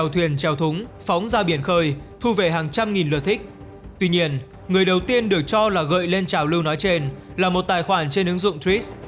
tuy nhiên người đầu tiên được cho là gợi lên trào lưu nói trên là một tài khoản trên ứng dụng tris